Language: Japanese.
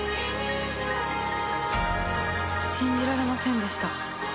信じられませんでした